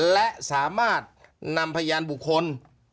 และสามารถนำพยานบุคคล